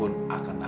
jangan begitu nita